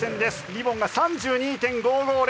リボンが３２．５５０。